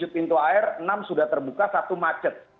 tujuh pintu air enam sudah terbuka satu macet